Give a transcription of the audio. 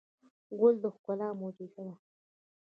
ګل د ښکلا معجزه ده.